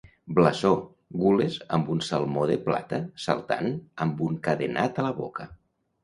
Blasó: Gules amb un salmó de plata saltant amb un cadenat a la boca.